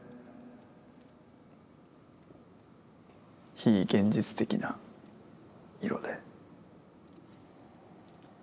非現実的な色で。